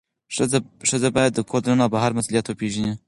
ښځه باید د کور دننه او بهر مسئولیت وپیژني.